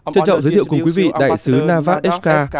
chân trọng giới thiệu cùng quý vị đại sứ navar eshkar